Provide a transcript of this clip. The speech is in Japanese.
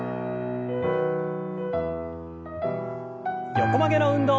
横曲げの運動。